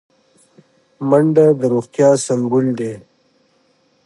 منډه د روغتیا سمبول دی